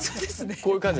こういう感じ。